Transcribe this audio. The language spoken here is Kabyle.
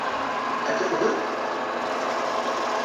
Ad k-yeqbel?